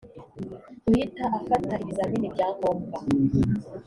guhita afata ibizamini bya ngombwa